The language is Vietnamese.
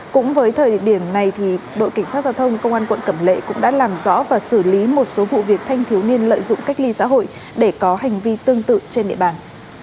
cũng với thời điểm này đội cảnh sát giao thông công an quận cẩm lệ cũng đã làm rõ và xử lý một số vụ việc thanh thiếu niên lợi dụng cách ly xã hội để có hành vi tương tự trên địa bàn